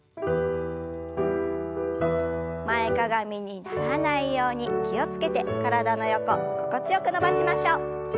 前かがみにならないように気を付けて体の横心地よく伸ばしましょう。